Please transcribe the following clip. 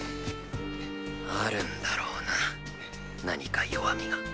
あるんだろうな何か弱みが。